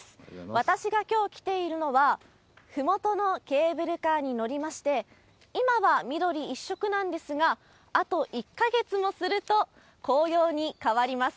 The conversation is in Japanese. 私がきょう来ているのは、ふもとのケーブルカーに乗りまして、今は緑一色なんですが、あと１か月もすると紅葉に変わります。